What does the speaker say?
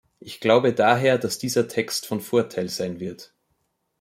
Ich glaube daher, dass dieser Text von Vorteil sein wird.